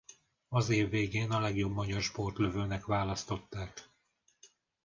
Az év végén a legjobb magyar sportlövőnek választották.